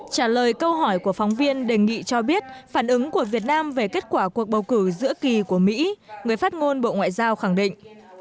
trả lời câu hỏi của phóng viên đề nghị cho biết phản ứng của việt nam về kết quả cuộc bầu cử giữa kỳ của mỹ người phát ngôn bộ ngoại giao khẳng định